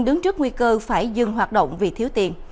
đứng trước nguy cơ phải dừng hoạt động vì thiếu tiền